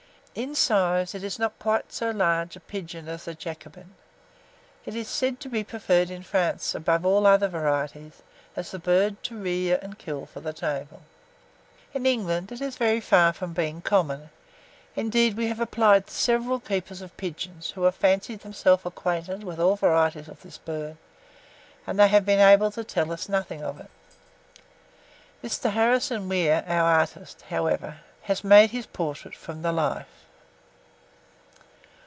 In size, it is not quite so large a pigeon as the Jacobin. It is said to be preferred in France, above other varieties, as a bird to rear and kill for the table. In England it is very far from being common; indeed, we have applied to several keepers of pigeons, who have fancied themselves acquainted with all the varieties of this bird, and they have been able to tell us nothing of it. Mr. Harrison Weir, our artist, however, has made his portrait from the life.